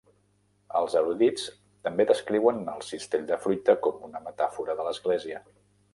Els erudits també descriuen el cistell de fruita com una metàfora de l'església.